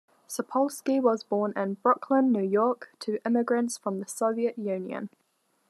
Sapolsky was born in Brooklyn, New York, to immigrants from the Soviet Union.